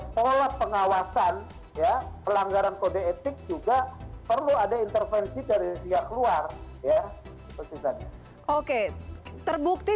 pola pengawasan ya pelanggaran kode etik juga perlu ada intervensi dari pihak luar ya oke terbukti